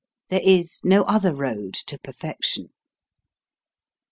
There is no other road to perfection.